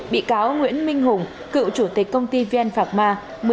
bị cáo nguyễn minh hùng cựu chủ tịch công ty vn phạc ma một mươi tám một mươi chín